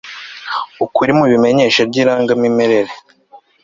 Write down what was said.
ukuri mu imenyesha ry irangamimerere